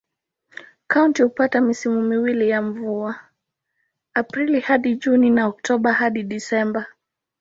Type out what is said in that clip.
Kaunti hupata misimu miwili ya mvua: Aprili hadi Juni na Oktoba hadi Disemba.